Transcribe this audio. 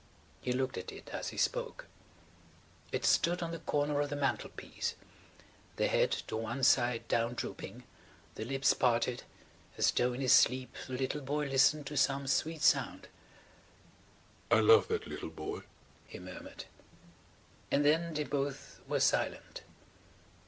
He looked at it as he spoke. It stood on the corner of the mantelpiece; the head to one side down drooping, the lips parted, as though in his sleep the little boy listened to some sweet sound. ... "I love that little boy," he murmured. And then they both were silent.